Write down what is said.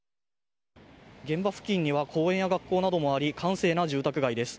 現場付近には公園や学校もあり閑静な住宅街です。